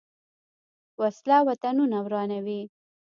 وسله وطنونه ورانوي